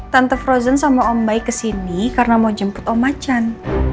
tante frozen sama om baik kesini karena mau jemput om macan